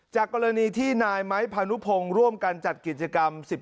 จากกรณีที่นายไม้พานุพงศ์ร่วมกันจัดกิจกรรม